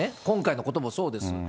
今回のこともそうです。